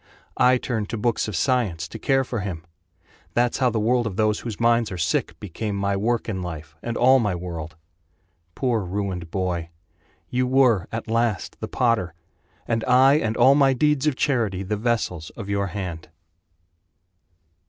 I turned to books of science To care for him. That's how the world of those whose minds are sick Became my work in life, and all my world. Poor ruined boy! You were, at last, the potter And I and all my deeds of charity The vessels of your hand.